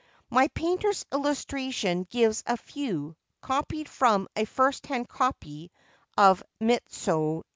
My painter's illustration gives a few, copied from a first hand copy of Mitsunobu's.